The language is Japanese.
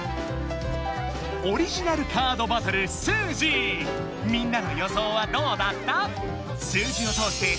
オリジナルカードバトル「スージー」みんなの予想はどうだった？